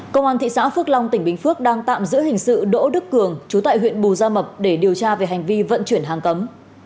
công an thị xã phước long tỉnh bình phước đang tạm giữ hình sự đỗ đức cường chú tại huyện bù gia mập để điều tra về hành vi vận chuyển hàng cấm